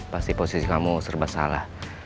pasti posisi kamu serba salah